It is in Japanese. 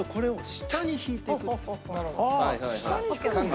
下に？